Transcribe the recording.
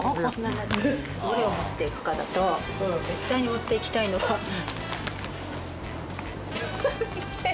どれを持っていくかだと絶対に持っていきたいのは。